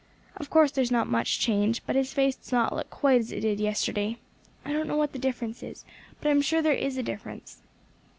Of course there's not much change; but his face does not look quite as it did yesterday. I don't know what the difference is, but I am sure there is a difference."